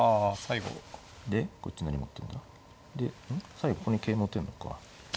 最後ここに桂馬打てんのか。